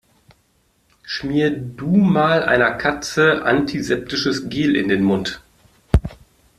Schmier du mal einer Katze antiseptisches Gel in den Mund.